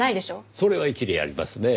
それは一理ありますねぇ。